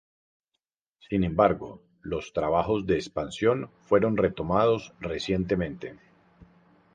Sin embargo, los trabajos de expansión fueron retomados recientemente.